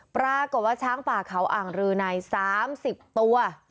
ปรากฏว่าช้างป่าเขาอ่างรือใน๓๐ตัว